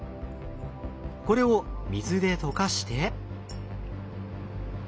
これを水で溶かして。